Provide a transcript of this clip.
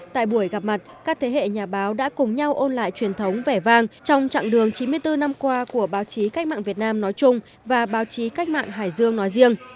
tại buổi gặp mặt các thế hệ nhà báo đã cùng nhau ôn lại truyền thống vẻ vang trong chặng đường chín mươi bốn năm qua của báo chí cách mạng việt nam nói chung và báo chí cách mạng hải dương nói riêng